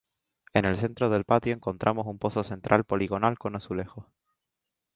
En el centro del patio encontramos un pozo central poligonal con azulejos.